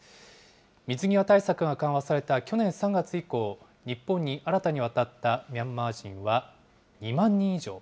水際対策が緩和された去年３月以降、日本に新たに渡ったミャンマー人は２万人以上。